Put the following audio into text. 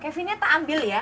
kevinnya tak ambil ya